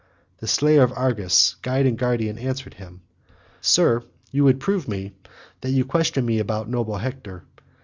The slayer of Argus, guide and guardian, answered him, "Sir, you would prove me, that you question me about noble Hector.